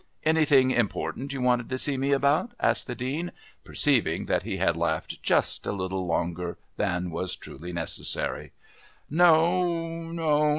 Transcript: "Anything important you wanted to see me about?" asked the Dean, perceiving that he had laughed just a little longer than was truly necessary. "No, no...